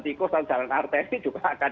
tikus atau jalan artesi juga akan